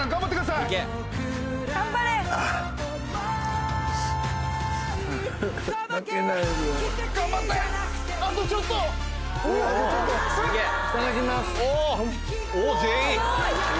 いただきます。